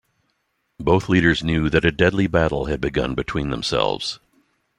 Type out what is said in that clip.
Both leaders knew that a deadly battle had begun between themselves.